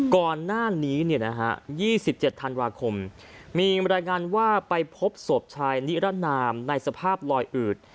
ก่อนหน้านี้๒๗ธันวาคมมีบรรยายงานว่าไปพบศพชายนิรนามในสภาพลอยอืด